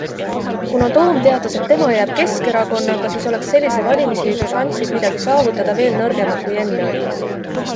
Kuna Toom teatas, et tema jääb Keskerakonnaga, siis oleks sellise valimisliidu šansid midagi saavutada veel nõrgemad, kui enne olid.